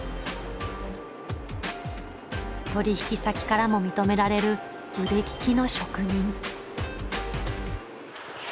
取引先からも認められる腕利きの職人。